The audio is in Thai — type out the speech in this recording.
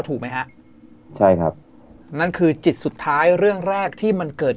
ถูกไหมฮะใช่ครับนั่นคือจิตสุดท้ายเรื่องแรกที่มันเกิด